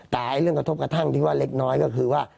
แต่เรื่องกระทบกระทั่งที่ว่าเล็กน้อยก็คือว่า